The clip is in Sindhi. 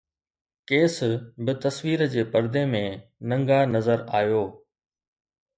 قيس به تصوير جي پردي ۾ ننگا نظر آيو